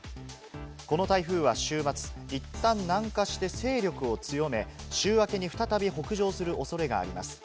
この台風は週末いったん南下して勢力を強め、週明けに再び北上する恐れがあります。